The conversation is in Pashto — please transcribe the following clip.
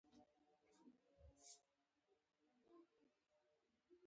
ساعتونه یوازې د دې خیال نښه ده.